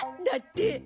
だって。